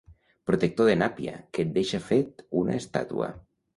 Protector de nàpia que et deixa fet una estàtua.